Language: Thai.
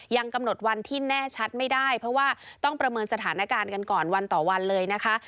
ยังกำหนดวันที่แน่ชัดไม่ได้เพราะว่าต้องประเมินสถานการณ์กันก่อนวันต่อวันเลยนะคะ